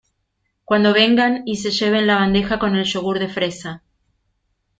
cuando vengan y se lleven la bandeja con el yogur de fresa